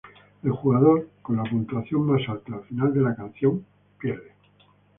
El jugador con la puntuación más alta al final de la canción gana.